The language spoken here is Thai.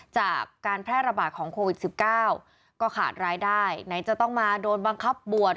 จากการแพร่ระบาดของโควิด๑๙ก็ขาดรายได้ไหนจะต้องมาโดนบังคับบวช